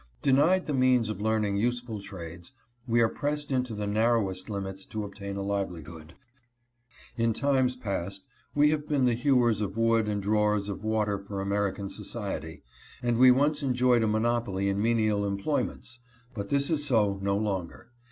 Denied the means of learning useful trades, we are pressed into the narrowest limits to obtain a livelihood. 15 356 AN INDUSTRIAL COLLEGE. in times past we have been the hewers of wood and drawers of water for American society, and we once enjoyed a monopoly in menial employments, but this is so no longer.